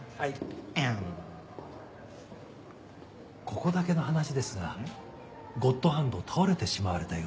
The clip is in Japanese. ここだけの話ですがゴッドハンド倒れてしまわれたようです。